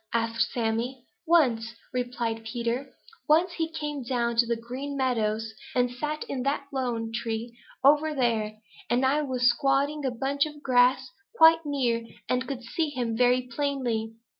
asked Sammy. "Once," replied Peter. "Once he came down to the Green Meadows and sat in that lone tree over there, and I was squatting in a bunch of grass quite near and could see him very plainly.